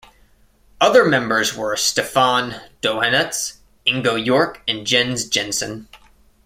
Other members were Stefan Dohanetz, Ingo York and Jens Jensen.